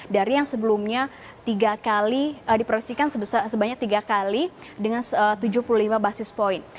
dari yang sebelumnya tiga kali diproyeksikan sebanyak tiga kali dengan tujuh puluh lima basis point